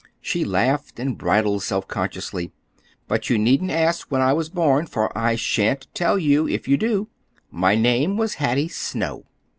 She laughed and bridled self consciously. "But you needn't ask when I was born, for I shan't tell you, if you do. My name was Hattie Snow."